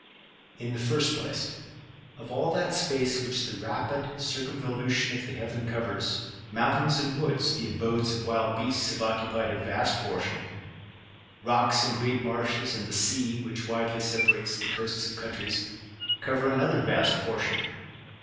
In the first place, of all that space which the rapid circum volution of the heaven covers, mountains and woods, the. abodes of wild beasts, have occupied a vast portion ;^ roo1$;8, and great marshes, and the sea, which widely separates the coasts of countries, cover another vast portion.